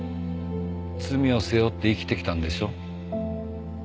罪を背負って生きてきたんでしょ。